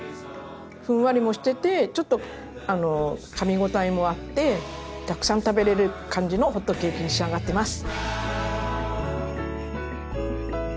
ふんわりもしててちょっとかみ応えもあってたくさん食べれる感じのホットケーキに仕上がってます。